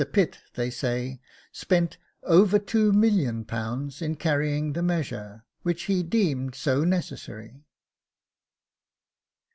Pitt, they say, spent over £2,000,000 in carrying the measure which he deemed so necessary.